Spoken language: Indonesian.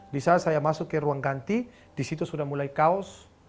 di saat saya masuk ke ruangan ganti di situ sudah mulai kaos